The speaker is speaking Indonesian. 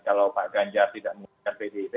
kalau pak ganjar tidak menggunakan pt ip